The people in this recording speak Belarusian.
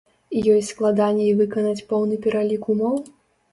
Ёй складаней выканаць поўны пералік умоў?